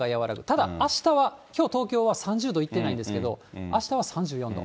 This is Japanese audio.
ただ、あしたは、きょう東京は３０度いってないんですけど、あしたは３４度。